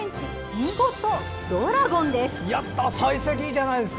見事、ドラゴンです。